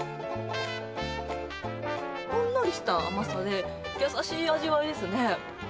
ほんのりした甘さで、優しい味わいですね。